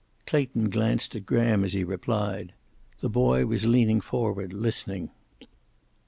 Clayton glanced at Graham as he replied. The boy was leaning forward, listening.